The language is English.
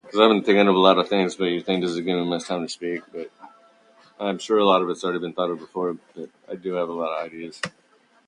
The concert itself promoted the group and the sales of the album.